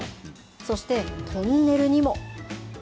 そしてトンネルにも。